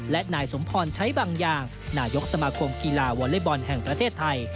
และนายสมพรใช้บางอย่างนายกสมาคมกีฬาวอเล็กบอลแห่งประเทศไทย